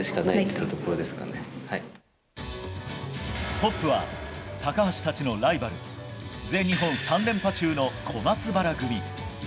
トップは高橋たちのライバル全日本３連覇中の小松原組。